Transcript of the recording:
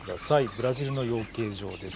ブラジルの養鶏場です。